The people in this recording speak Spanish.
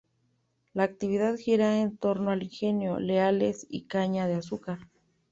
La actividad gira en torno al ingenio Leales y la caña de azúcar.